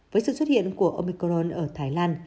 với sự xuất hiện của omicron ở thái lan